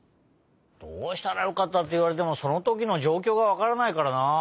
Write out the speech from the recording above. どうしたらよかったっていわれてもそのときのじょうきょうがわからないからなあ。